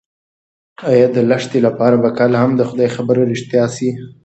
ایا د لښتې لپاره به کله هم د خدای خبره رښتیا شي؟